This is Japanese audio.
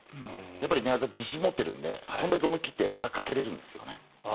寝技に自信を持っているのでそれだけ思い切って技をかけれるんですよね。